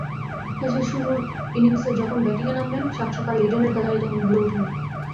শেষের শুরুর ইনিংসে যখন ব্যাটিংয়ে নামলেন, সাতসকালে ইডেনের গ্যালারি তখনো ভরে ওঠেনি।